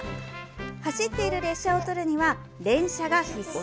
走っている列車を撮るには連写が必須。